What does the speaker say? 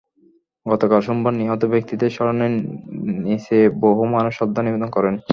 গতকাল সোমবার নিহত ব্যক্তিদের স্মরণে নিসে বহু মানুষ শ্রদ্ধা নিবেদন করেন।